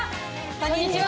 こんにちは。